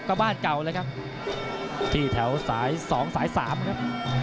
ก็บ้านเก่าเลยครับที่แถวสาย๒สาย๓ครับ